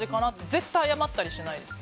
絶対に謝ったりしないです。